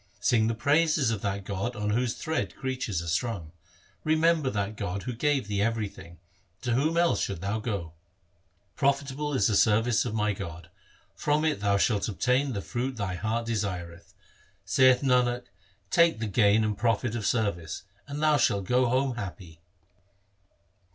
Sing the praises of that God on whose thread creatures are strung. Remember that God who gave thee everything ; to whom else shouldst thou go ? Profitable is the service of my God ; from it thou shalt obtain the fruit thy heart desireth. Saith Nanak, take the gain and profit of service, and thou shalt go home happy.